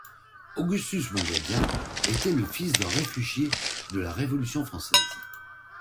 Augustus Mongrédien était le fils d'un réfugié de la Révolution française.